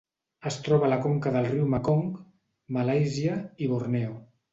Es troba a la conca del riu Mekong, Malàisia i Borneo.